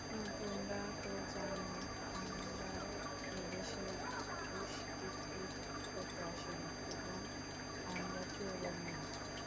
তোমরা তো জান, আমরা এ দেশে দুষ্কৃতি করতে আসিনি এবং আমরা চোরও নই।